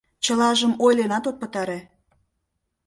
Чылажым ойленат от пытаре.